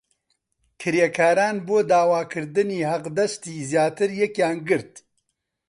کرێکاران بۆ داواکردنی حەقدەستی زیاتر یەکیان گرت.